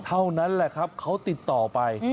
เท่านั้นแหละครับเขาติดต่อไป